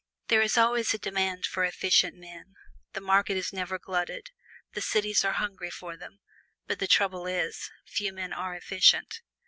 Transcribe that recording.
There is always a demand for efficient men; the market is never glutted; the cities are hungry for them but the trouble is, few men are efficient.